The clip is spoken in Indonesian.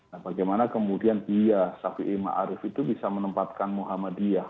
nah bagaimana kemudian dia syafi'i ma'arif itu bisa menempatkan muhammadiyah